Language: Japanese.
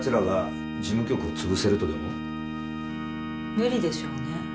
無理でしょうね。